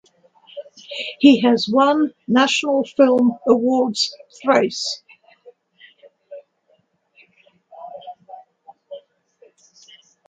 He has won National film Awards thrice.